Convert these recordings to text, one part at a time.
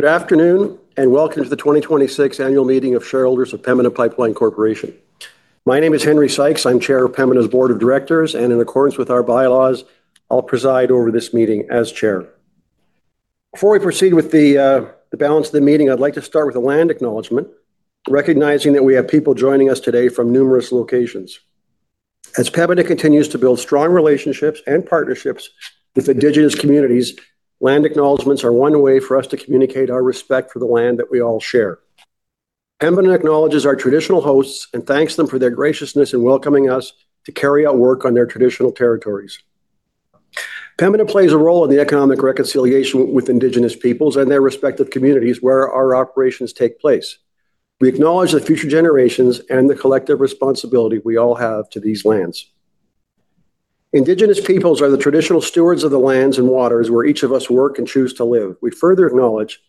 Good afternoon, and welcome to the 2026 annual meeting of shareholders of Pembina Pipeline Corporation. My name is Henry Sykes, I'm Chair of Pembina's Board of Directors, and in accordance with our bylaws, I'll preside over this meeting as Chair. Before we proceed with the balance of the meeting, I'd like to start with a land acknowledgement, recognizing that we have people joining us today from numerous locations. As Pembina continues to build strong relationships and partnerships with indigenous communities, land acknowledgements are one way for us to communicate our respect for the land that we all share. Pembina acknowledges our traditional hosts and thanks them for their graciousness in welcoming us to carry out work on their traditional territories. Pembina plays a role in the economic reconciliation with indigenous peoples and their respective communities where our operations take place. We acknowledge the future generations and the collective responsibility we all have to these lands. Indigenous peoples are the traditional stewards of the lands and waters where each of us work and choose to live. We further acknowledge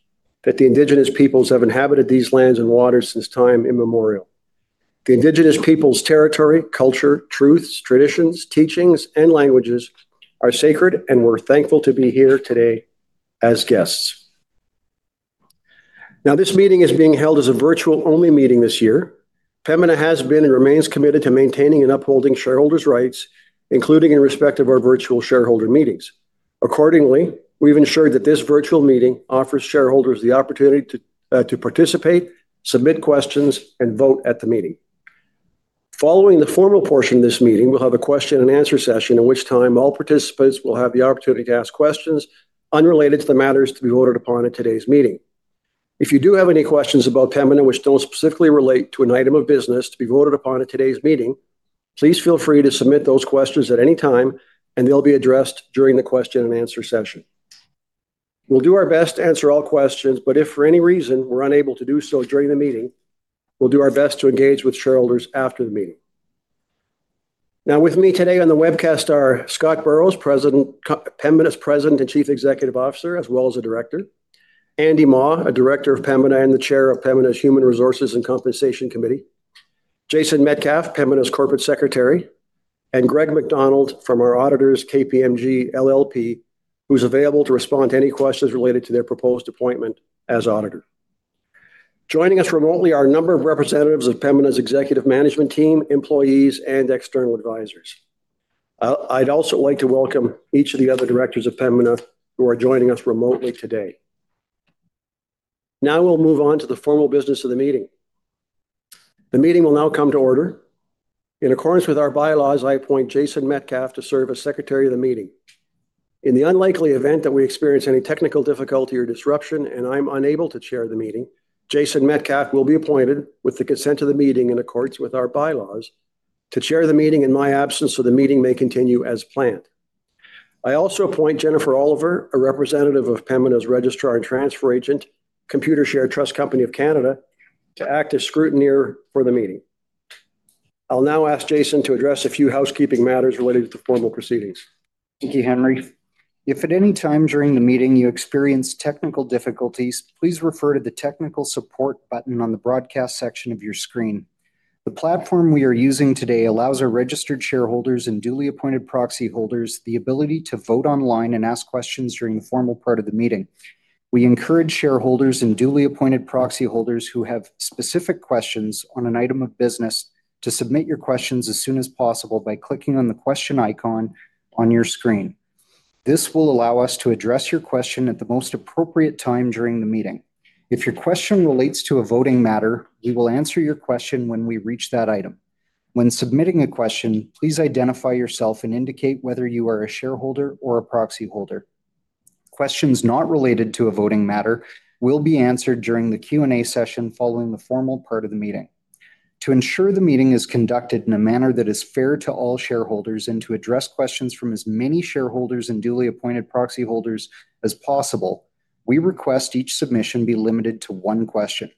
that the Indigenous peoples have inhabited these lands and waters since time immemorial. The Indigenous people's territory, culture, truths, traditions, teachings, and languages are sacred, and we're thankful to be here today as guests. This meeting is being held as a virtual-only meeting this year. Pembina has been and remains committed to maintaining and upholding shareholders' rights, including in respect of our virtual shareholder meetings. We've ensured that this virtual meeting offers shareholders the opportunity to participate, submit questions, and vote at the meeting. Following the formal portion of this meeting, we'll have a question and answer session in which time all participants will have the opportunity to ask questions unrelated to the matters to be voted upon at today's meeting. If you do have any questions about Pembina which don't specifically relate to an item of business to be voted upon at today's meeting, please feel free to submit those questions at any time, and they'll be addressed during the question and answer session. We'll do our best to answer all questions, but if for any reason we're unable to do so during the meeting, we'll do our best to engage with shareholders after the meeting. With me today on the webcast are Scott Burrows, Pembina's President and Chief Executive Officer, as well as a director. Andy J. Mah, a director of Pembina and the Chair of Pembina's Human Resources and Compensation Committee. Jason Metcalf, Pembina's Corporate Secretary. Greg McDonald from our auditors, KPMG LLP, who's available to respond to any questions related to their proposed appointment as auditor. I'd also like to welcome each of the other directors of Pembina who are joining us remotely today. Now we'll move on to the formal business of the meeting. The meeting will now come to order. In accordance with our bylaws, I appoint Jason Metcalf to serve as Secretary of the meeting. In the unlikely event that we experience any technical difficulty or disruption and I'm unable to chair the meeting, Jason Metcalf will be appointed with the consent of the meeting in accordance with our bylaws to chair the meeting in my absence so the meeting may continue as planned. I also appoint Jennifer Oliver, a representative of Pembina's registrar and transfer agent, Computershare Trust Company of Canada, to act as scrutineer for the meeting. I'll now ask Jason to address a few housekeeping matters related to the formal proceedings. Thank you, Henry. If at any time during the meeting you experience technical difficulties, please refer to the technical support button on the broadcast section of your screen. The platform we are using today allows our registered shareholders and duly appointed proxyholders the ability to vote online and ask questions during the formal part of the meeting. We encourage shareholders and duly appointed proxyholders who have specific questions on an item of business to submit your questions as soon as possible by clicking on the question icon on your screen. This will allow us to address your question at the most appropriate time during the meeting. If your question relates to a voting matter, we will answer your question when we reach that item. When submitting a question, please identify yourself and indicate whether you are a shareholder or a proxyholder. Questions not related to a voting matter will be answered during the Q&A session following the formal part of the meeting. To ensure the meeting is conducted in a manner that is fair to all shareholders and to address questions from as many shareholders and duly appointed proxyholders as possible, we request each submission be limited to one question.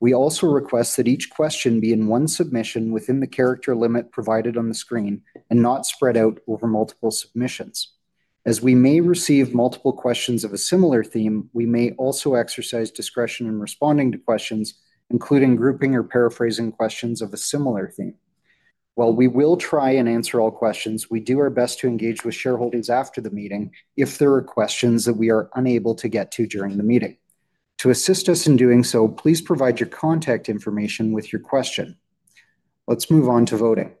We also request that each question be in one submission within the character limit provided on the screen and not spread out over multiple submissions. We may receive multiple questions of a similar theme, we may also exercise discretion in responding to questions, including grouping or paraphrasing questions of a similar theme. While we will try and answer all questions, we do our best to engage with shareholders after the meeting if there are questions that we are unable to get to during the meeting. To assist us in doing so, please provide your contact information with your question. Let's move on to voting.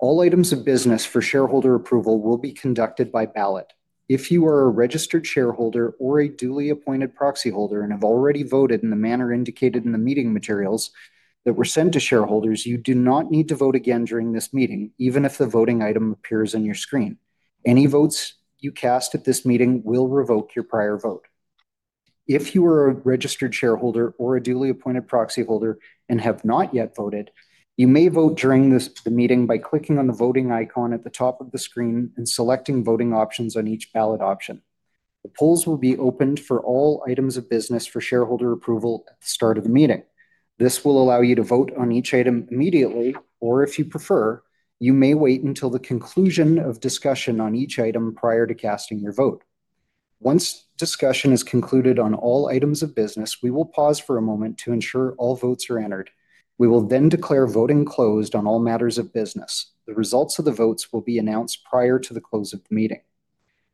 All items of business for shareholder approval will be conducted by ballot. If you are a registered shareholder or a duly appointed proxyholder and have already voted in the manner indicated in the meeting materials that were sent to shareholders, you do not need to vote again during this meeting, even if the voting item appears on your screen. Any votes you cast at this meeting will revoke your prior vote. If you are a registered shareholder or a duly appointed proxyholder and have not yet voted, you may vote during this, the meeting by clicking on the voting icon at the top of the screen and selecting voting options on each ballot option. The polls will be opened for all items of business for shareholder approval at the start of the meeting. This will allow you to vote on each item immediately, or if you prefer, you may wait until the conclusion of discussion on each item prior to casting your vote. Once discussion is concluded on all items of business, we will pause for a moment to ensure all votes are entered. We will declare voting closed on all matters of business. The results of the votes will be announced prior to the close of the meeting.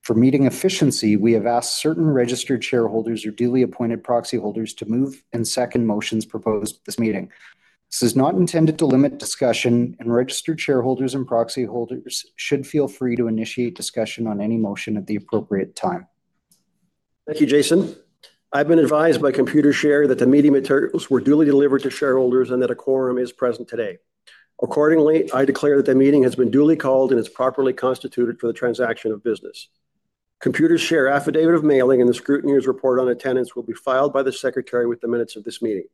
For meeting efficiency, we have asked certain registered shareholders or duly appointed proxyholders to move and second motions proposed at this meeting. This is not intended to limit discussion. Registered shareholders and proxyholders should feel free to initiate discussion on any motion at the appropriate time. Thank you, Jason. I've been advised by Computershare that the meeting materials were duly delivered to shareholders and that a quorum is present today. Accordingly, I declare that the meeting has been duly called and is properly constituted for the transaction of business. Computershare affidavit of mailing and the scrutineer's report on attendance will be filed by the secretary with the minutes of this meeting.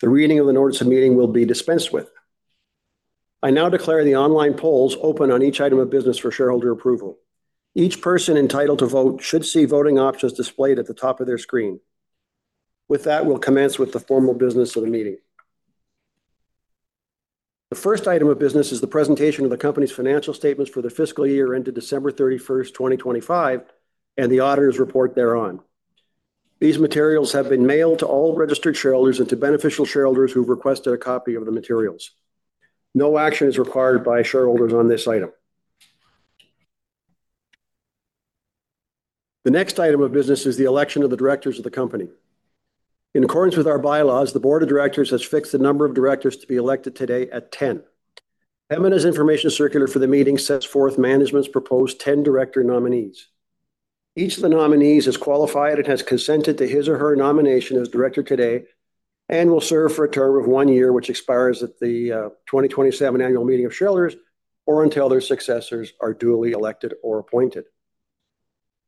The reading of the notice of meeting will be dispensed with. I now declare the online polls open on each item of business for shareholder approval. Each person entitled to vote should see voting options displayed at the top of their screen. With that, we'll commence with the formal business of the meeting. The first item of business is the presentation of the company's financial statements for the fiscal year ended December 31st, 2025, and the auditor's report thereon. These materials have been mailed to all registered shareholders and to beneficial shareholders who've requested a copy of the materials. No action is required by shareholders on this item. The next item of business is the election of the directors of the company. In accordance with our bylaws, the board of directors has fixed the number of directors to be elected today at 10. Pembina's information circular for the meeting sets forth management's proposed 10 director nominees. Each of the nominees is qualified and has consented to his or her nomination as director today, and will serve for a term of one year, which expires at the 2027 annual meeting of shareholders, or until their successors are duly elected or appointed.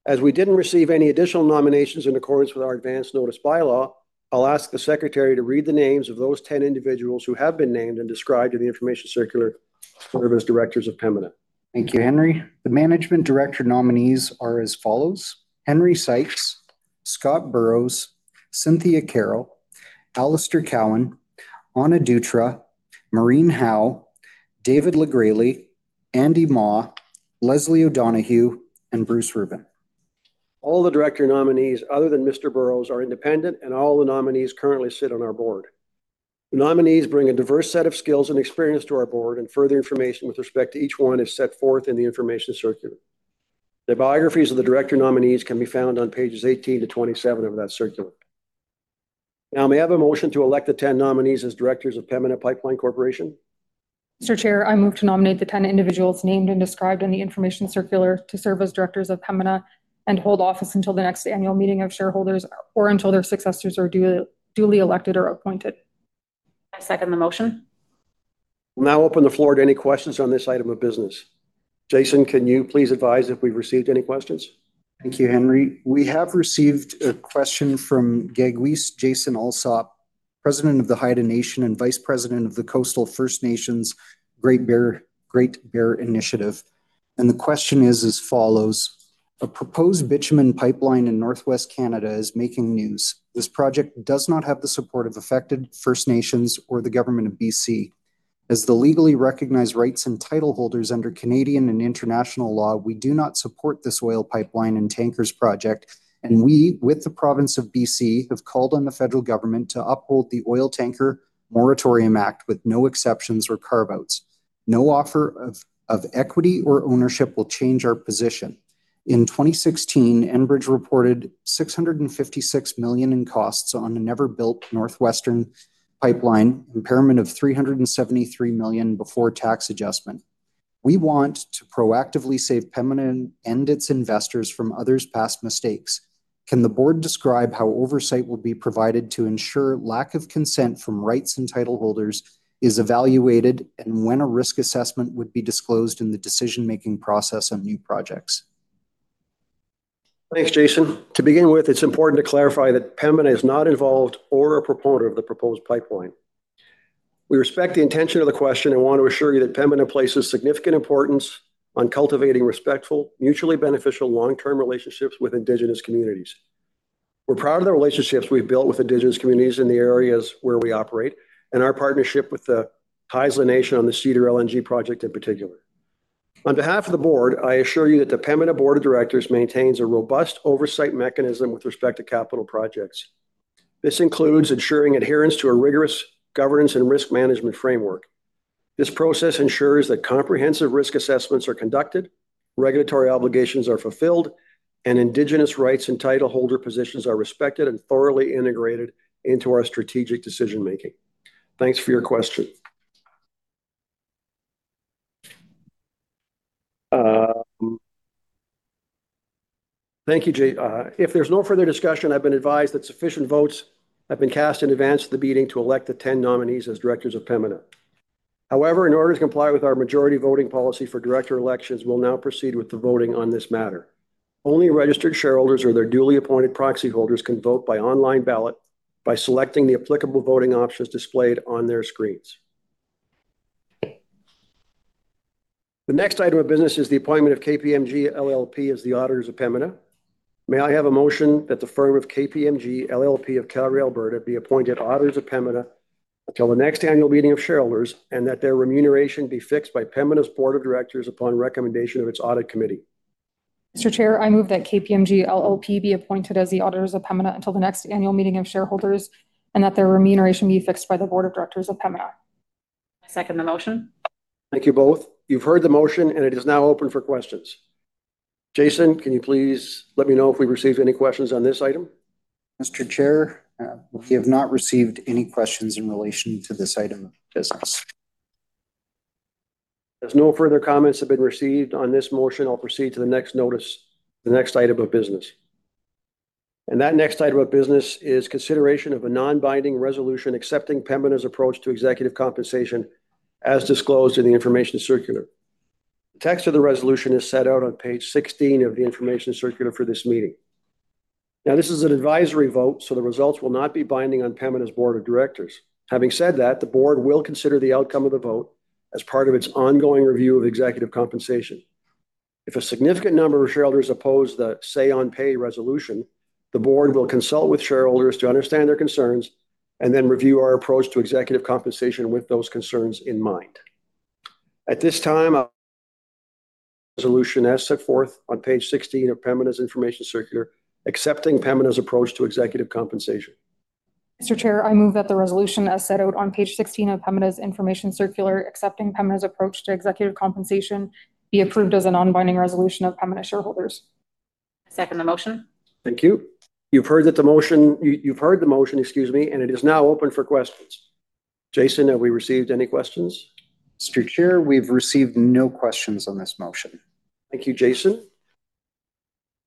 As we didn't receive any additional nominations in accordance with our advance notice bylaw, I'll ask the secretary to read the names of those 10 individuals who have been named and described in the information circular to serve as directors of Pembina. Thank you, Henry. The management director nominees are as follows, Henry Sykes, J. Scott Burrows, Cynthia Carroll, Alister Cowan, Ana Dutra, Maureen E. Howe, David M.B. LeGresley, Andy J. Mah, Leslie A. O'Donoghue, and Bruce D. Rubin. All the director nominees other than Mr. Burrows are independent, and all the nominees currently sit on our Board. The nominees bring a diverse set of skills and experience to our Board, and further information with respect to each one is set forth in the information circular. The biographies of the director nominees can be found on pages 18 to 27 of that circular. Now, may I have a motion to elect the 10 nominees as directors of Pembina Pipeline Corporation? Mr. Chair, I move to nominate the 10 individuals named and described in the information circular to serve as directors of Pembina and hold office until the next annual meeting of shareholders, or until their successors are duly elected or appointed. I second the motion. We'll now open the floor to any questions on this item of business. Jason, can you please advise if we've received any questions? Thank you, Henry. We have received a question from Gaagwiis Jason Alsop, President of the Haida Nation and Vice President of the Coastal First Nations-Great Bear Initiative, and the question is as follows, A proposed bitumen pipeline in Northwest Canada is making news. This project does not have the support of affected First Nations or the government of BC. As the legally recognized rights and title holders under Canadian and international law, we do not support this oil pipeline and tankers project, and we, with the province of BC, have called on the federal government to uphold the Oil Tanker Moratorium Act with no exceptions or carve-outs. No offer of equity or ownership will change our position. In 2016, Enbridge reported 656 million in costs on a never-built northwestern pipeline impairment of 373 million before tax adjustment. We want to proactively save Pembina and its investors from others' past mistakes. Can the board describe how oversight will be provided to ensure lack of consent from rights and title holders is evaluated and when a risk assessment would be disclosed in the decision-making process on new projects? Thanks, Jason. To begin with, it's important to clarify that Pembina is not involved or a proponent of the proposed pipeline. We respect the intention of the question and want to assure you that Pembina places significant importance on cultivating respectful, mutually beneficial long-term relationships with Indigenous communities. We're proud of the relationships we've built with Indigenous communities in the areas where we operate and our partnership with the Haisla Nation on the Cedar LNG project in particular. On behalf of the board, I assure you that the Pembina board of directors maintains a robust oversight mechanism with respect to capital projects. This includes ensuring adherence to a rigorous governance and risk management framework. This process ensures that comprehensive risk assessments are conducted, regulatory obligations are fulfilled, and Indigenous rights and title holder positions are respected and thoroughly integrated into our strategic decision-making. Thanks for your question. Thank you, if there's no further discussion, I've been advised that sufficient votes have been cast in advance of the meeting to elect the 10 nominees as directors of Pembina. In order to comply with our majority voting policy for director elections, we'll now proceed with the voting on this matter. Only registered shareholders or their duly appointed proxyholders can vote by online ballot by selecting the applicable voting options displayed on their screens. The next item of business is the appointment of KPMG LLP as the auditors of Pembina. May I have a motion that the firm of KPMG LLP of Calgary, Alberta, be appointed auditors of Pembina until the next annual meeting of shareholders, and that their remuneration be fixed by Pembina's board of directors upon recommendation of its Audit Committee? Mr. Chair, I move that KPMG LLP be appointed as the auditors of Pembina until the next annual meeting of shareholders, and that their remuneration be fixed by the board of directors of Pembina. I second the motion. Thank you both. You've heard the motion, and it is now open for questions. Jason, can you please let me know if we received any questions on this item? Mr. Chair, we have not received any questions in relation to this item of business. As no further comments have been received on this motion, I'll proceed to the next notice, the next item of business. That next item of business is consideration of a non-binding resolution accepting Pembina's approach to executive compensation as disclosed in the information circular. The text of the resolution is set out on page 16 of the information circular for this meeting. This is an advisory vote, so the results will not be binding on Pembina's board of directors. Having said that, the board will consider the outcome of the vote as part of its ongoing review of executive compensation. If a significant number of shareholders oppose the say on pay resolution, the board will consult with shareholders to understand their concerns and then review our approach to executive compensation with those concerns in mind. At this time, a resolution as set forth on page 16 of Pembina's information circular accepting Pembina's approach to executive compensation. Mr. Chair, I move that the resolution as set out on page 16 of Pembina's information circular accepting Pembina's approach to executive compensation be approved as a non-binding resolution of Pembina shareholders. I second the motion. Thank you. You've heard the motion, excuse me. It is now open for questions. Jason, have we received any questions? Mr. Chair, we've received no questions on this motion. Thank you, Jason.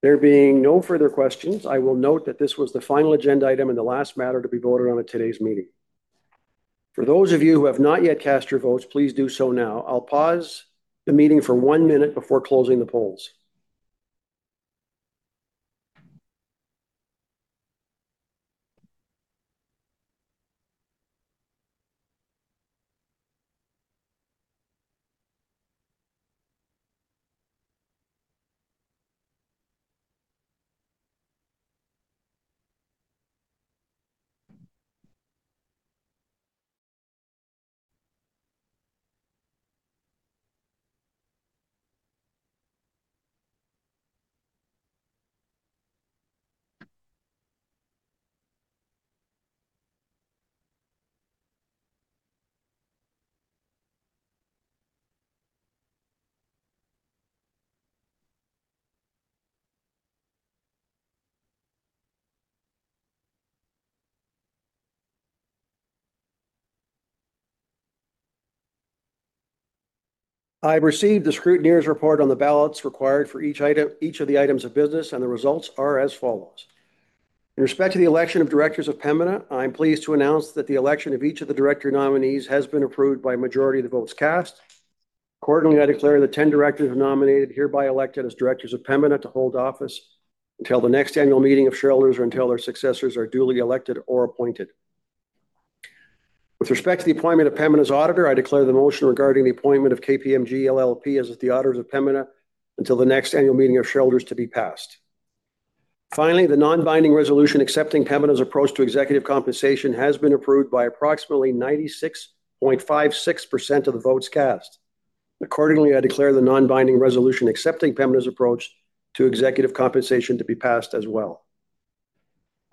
There being no further questions, I will note that this was the final agenda item and the last matter to be voted on at today's meeting. For those of you who have not yet cast your votes, please do so now. I'll pause the meeting for one minute before closing the polls. I have received the scrutineer's report on the ballots required for each of the items of business, and the results are as follows. In respect to the election of directors of Pembina, I'm pleased to announce that the election of each of the director nominees has been approved by a majority of the votes cast. Accordingly, I declare the 10 directors nominated hereby elected as directors of Pembina to hold office until the next annual meeting of shareholders or until their successors are duly elected or appointed. With respect to the appointment of Pembina's auditor, I declare the motion regarding the appointment of KPMG LLP as the auditors of Pembina until the next annual meeting of shareholders to be passed. The non-binding resolution accepting Pembina's approach to executive compensation has been approved by approximately 96.56% of the votes cast. Accordingly, I declare the non-binding resolution accepting Pembina's approach to executive compensation to be passed as well.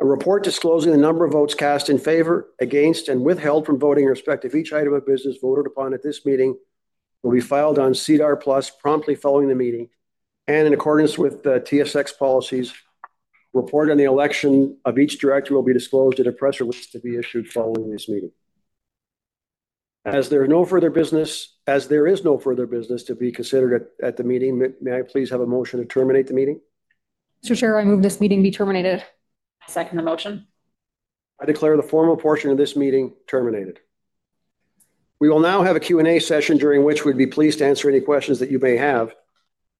A report disclosing the number of votes cast in favor, against, and withheld from voting in respect of each item of business voted upon at this meeting will be filed on SEDAR+ promptly following the meeting. In accordance with the TSX policies, report on the election of each director will be disclosed at a press release to be issued following this meeting. As there is no further business to be considered at the meeting, may I please have a motion to terminate the meeting? Mr. Chair, I move this meeting be terminated. I second the motion. I declare the formal portion of this meeting terminated. We will now have a Q&A session during which we'd be pleased to answer any questions that you may have.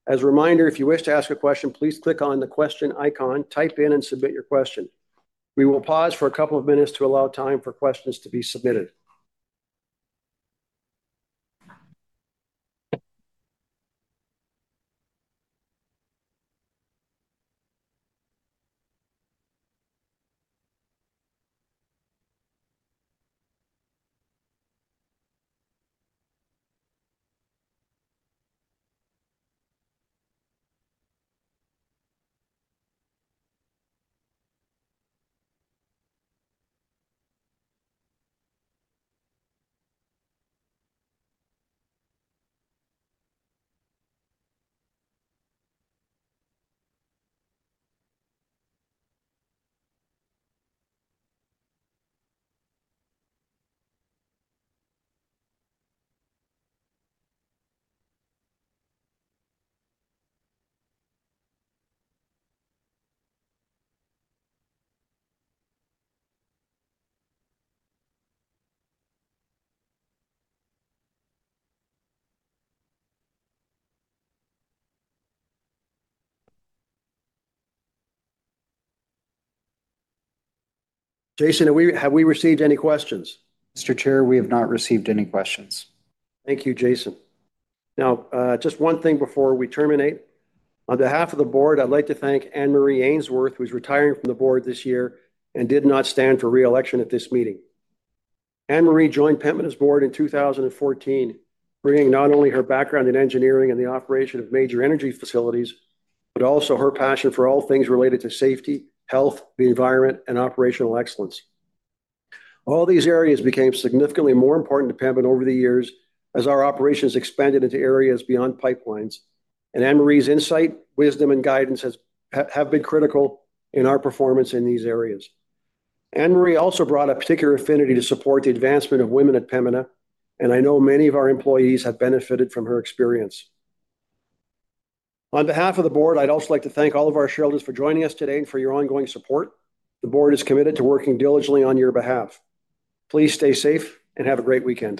As a reminder, if you wish to ask a question, please click on the question icon, type in, and submit your question. We will pause for a couple of minutes to allow time for questions to be submitted. Jason, have we received any questions? Mr. Chair, we have not received any questions. Thank you, Jason. Now, just one thing before we terminate. On behalf of the board, I'd like to thank Anne-Marie Ainsworth, who's retiring from the board this year and did not stand for re-election at this meeting. Anne-Marie joined Pembina's board in 2014, bringing not only her background in engineering and the operation of major energy facilities, but also her passion for all things related to safety, health, the environment, and operational excellence. All these areas became significantly more important to Pembina over the years as our operations expanded into areas beyond pipelines. Anne-Marie's insight, wisdom, and guidance have been critical in our performance in these areas. Anne-Marie also brought a particular affinity to support the advancement of women at Pembina, and I know many of our employees have benefited from her experience. On behalf of the board, I'd also like to thank all of our shareholders for joining us today and for your ongoing support. The board is committed to working diligently on your behalf. Please stay safe, and have a great weekend.